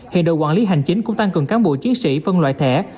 hiện đồ quản lý hành chính cũng tăng cường các bộ chiến sĩ phân loại thẻ